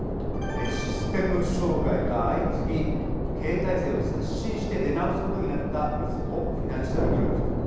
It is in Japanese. システム障害が相次ぎ、経営体制を刷新して出直すことになったみずほフィナンシャルグループ。